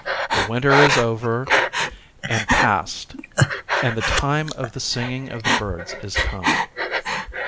The winter is over and :, and " the time of the singing of ; birds is come."